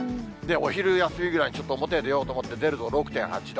お昼休みぐらいにちょっと表に出ようと思って、出ると６．８度。